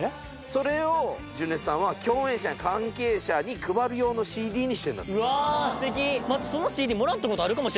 それを純烈さんは共演者や関係者に配る用のＣＤにしてんだってうわ素敵たぶんね